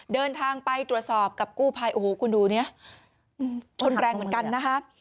เดินทางไปตรวจสอบกับกู้ภัยโอ้โหคุณดูเนี่ยชนแรงเหมือนกันนะคะ